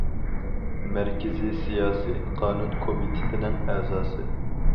مەركىزىي سىياسىي قانۇن كومىتېتىنىڭ ئەزاسى.